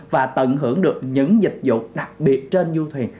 và tận hưởng được những dịch vụ đặc biệt trên du thuyền